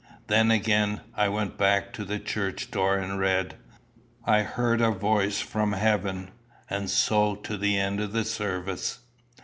Then again, I went back to the church door and read, "I heard a voice from heaven;" and so to the end of the service.